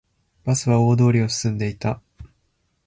バスは大通りを進んでいた